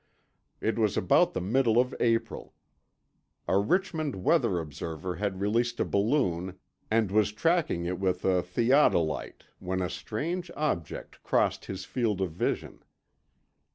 It was about the middle of April. A Richmond weather observer had released a balloon and was tracking it with a theodolite when a strange object crossed his field of vision.